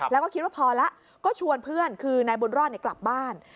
แล้วก็คิดว่าพอแล้วก็ชวนเพื่อนคือนายบุญรอดกลับบ้าน